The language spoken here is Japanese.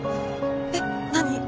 えっ何？